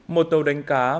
một tàu đánh cá